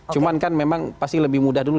cuman kan memang pasti lebih mudah dulu